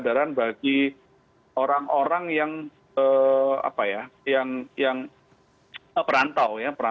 kesadaran bagi orang orang yang perantau ya